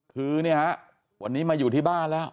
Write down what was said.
คือเนี่ยฮะวันนี้มาอยู่ที่บ้านแล้ว